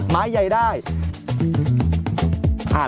ไม้ใยได้ครับไม้ใยได้